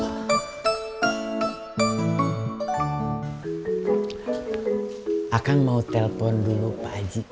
ah kan mau telpon dulu pak aji